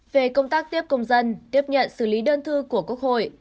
về công tác tiếp công dân tiếp nhận xử lý đơn thư của quốc hội